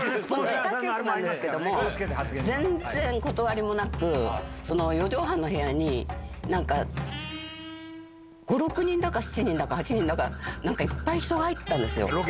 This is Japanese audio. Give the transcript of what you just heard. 他局なんですけど、全然断りもなく、四畳半の部屋になんか５、６人だか、７人だか８人だか、なんかいっぱい人が入ってたんですよ。